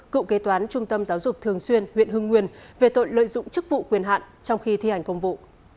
cựu kế toán trung tâm giáo dục thường xuyên huyện hưng nguyên về tội lợi dụng chức vụ quyền hạn trong khi thi hành công vụ